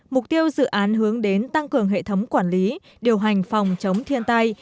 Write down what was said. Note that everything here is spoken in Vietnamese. mục tiêu dự án hướng đến tăng cường hệ thống quản lý điều hành phòng chống thiên tai